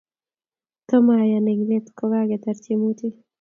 Tomayan ale eng' let kogagetar tyemutik.